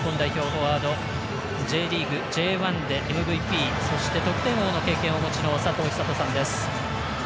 フォワードＪリーグ、Ｊ１でＭＶＰ、そして得点王の経験をお持ちの佐藤寿人さんです。